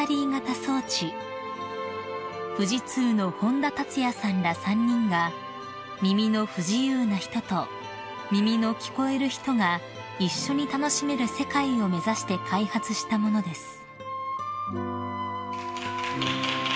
［富士通の本多達也さんら３人が耳の不自由な人と耳の聞こえる人が一緒に楽しめる世界を目指して開発した物です］